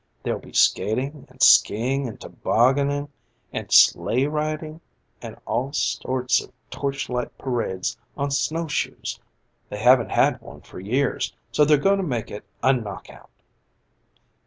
There'll be skating and skiing and tobogganing and sleigh riding, and all sorts of torchlight parades on snow shoes. They haven't had one for years, so they're gong to make it a knock out."